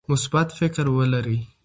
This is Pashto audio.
مثبت فکر ولرئ.